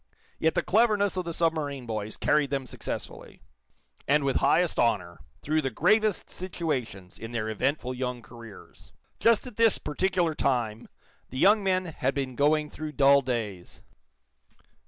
Yet the cleverness of the submarine boys carried them successfully, and with highest honor, through the gravest situations in their eventful, young careers. Just at this particular time the young men had been going through dull days.